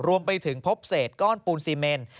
รวมไปถึงพบเศษก้อนปูนซีเมน